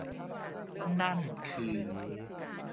นั่นคือ